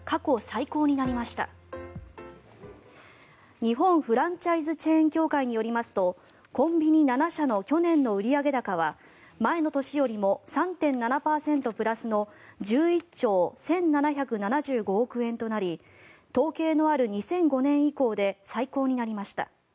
日本フランチャイズチェーン協会によりますとコンビニ７社の去年の売上高は前の年よりも３．７％プラスの１１兆１７７５億円となり統計のある２００５年以降で最高になりました。